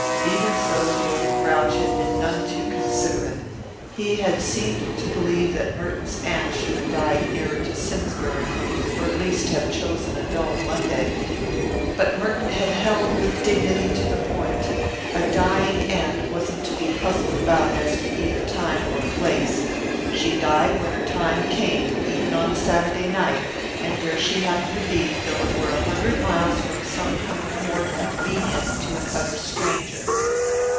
Even so, the old grouch had been none too considerate. He had seemed to believe that Merton's aunt should have died nearer to Simsbury, or at least have chosen a dull Monday. But Merton had held with dignity to the point; a dying aunt wasn't to be hustled about as to either time or place. She died when her time came even on a Saturday night and where she happened to be, though it were a hundred miles from some point more convenient to an utter stranger.